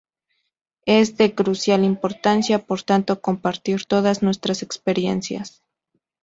Es de crucial importancia, por tanto compartir todas nuestras experiencias.